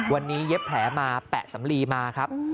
วันนี้เย็บแผลมาแปะสำลีมาครับ